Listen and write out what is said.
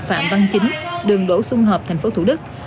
phạm văn chính đường đổ xung hợp tp thủ đức